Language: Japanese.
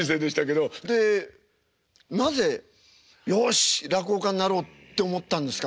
でなぜ「よし落語家になろう」って思ったんですか？